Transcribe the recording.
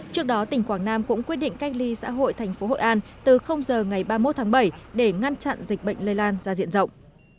trước đó tỉnh quảng nam cũng quyết định cách ly xã hội thành phố hội an từ giờ ngày ba mươi một tháng bảy để ngăn chặn dịch bệnh lây lan ra diện rộng